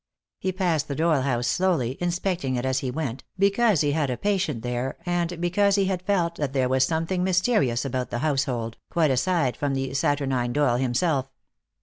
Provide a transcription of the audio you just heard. He passed the Doyle house slowly, inspecting it as he went, because he had a patient there, and because he had felt that there was something mysterious about the household, quite aside from the saturnine Doyle himself.